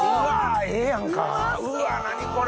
うわ何これ！